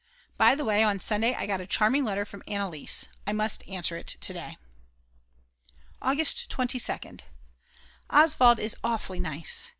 By the way, on Sunday I got a charming letter from Anneliese. I must answer it to day. August 22nd. Oswald is awfully nice.